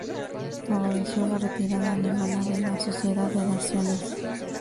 Favoreció la retirada alemana de la Sociedad de Naciones.